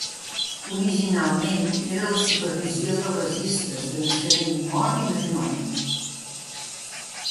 Originalment, era la supervisió dels registres de naixement, mort i matrimoni.